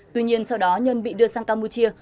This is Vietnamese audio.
tuy nhiên sau đó nhơn bị đưa sang campuchia